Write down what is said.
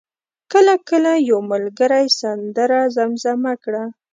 کله کله یو ملګری سندره زمزمه کړه.